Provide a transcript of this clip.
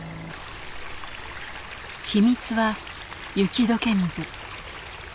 秘密は雪解け水。